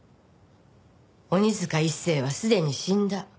鬼塚一誠はすでに死んだ。